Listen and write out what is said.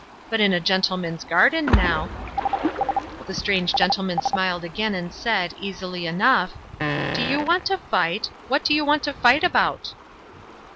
But in a gentleman's garden, now " The strange gentleman smiled again and said, easily enough: "Do you want to fight? What do you want to fight about?"